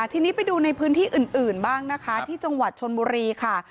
ทีนี้ไปดูในพื้นที่อื่นบ้างนะคะที่จังหวัดชนบุรีค่ะ